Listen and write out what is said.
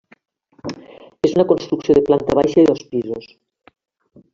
És una construcció de planta baixa i dos pisos.